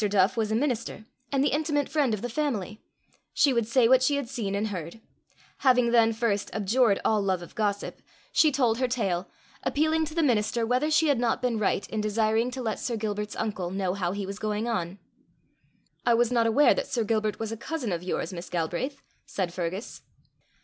Duff was a minister, and the intimate friend of the family: she would say what she had seen and heard. Having then first abjured all love of gossip, she told her tale, appealing to the minister whether she had not been right in desiring to let Sir Gilbert's uncle know how he was going on. "I was not aware that Sir Gilbert was a cousin of yours, Miss Galbraith," said Fergus.